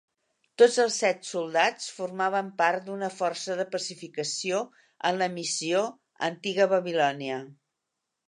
Tots els set soldats formaven part d'una força de pacificació en la missió Antiga Babilònia.